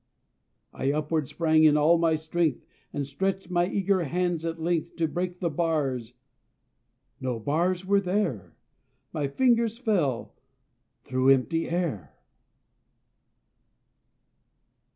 I upward sprang in all my strength, And stretched my eager hands at length To break the bars no bars were there; My fingers fell through empty air!